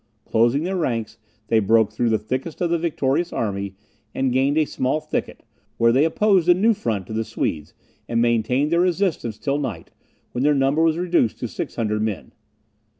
Closing their ranks, they broke through the thickest of the victorious army, and gained a small thicket, where they opposed a new front to the Swedes, and maintained their resistance till night, when their number was reduced to six hundred men.